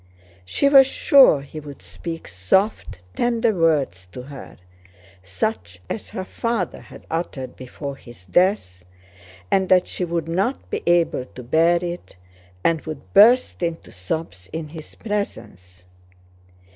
She was sure he would speak soft, tender words to her such as her father had uttered before his death, and that she would not be able to bear it and would burst into sobs in his presence.